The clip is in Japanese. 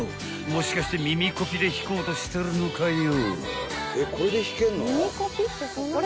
［もしかして耳コピで弾こうとしてるのかよ］